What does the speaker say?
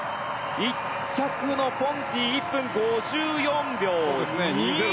１着のポンティ１分５４秒２０。